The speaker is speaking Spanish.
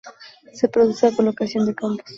Se procede a colocación de campos.